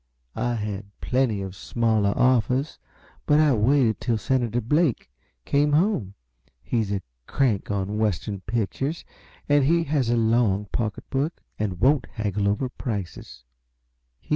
I had plenty of smaller offers, but I waited till Senator Blake came home; he's a crank on Western pictures, and he has a long pocketbook and won't haggle over prices.